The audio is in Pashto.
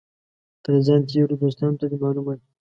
تر ځان تېرو دوستانو ته دي معلومه وي.